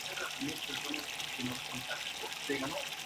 Juega de defensa central en Pescara de la Serie B de Italia.